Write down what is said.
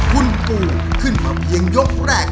คุณปู่ขึ้นมาเพียงยกแรก